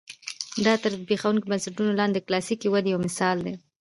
دا تر زبېښونکو بنسټونو لاندې د کلاسیکې ودې یو مثال دی.